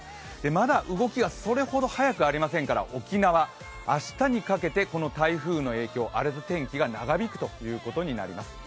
まだ動きはそれほど速くありませんから、沖縄、明日にかけてこの台風の影響荒れた天気が長引くということになります。